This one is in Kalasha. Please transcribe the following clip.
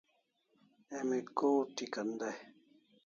Emi ko ut'ikan dai?